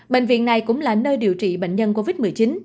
bệnh viện này cũng là nơi điều trị bệnh nhân covid một mươi chín